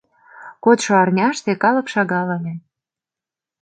Кодшо арняште калык шагал ыле.